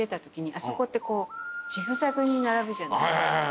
あそこってジグザグに並ぶじゃないですか。